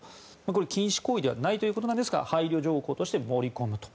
これ、禁止行為ではないということなんですが配慮条項として盛り込むと。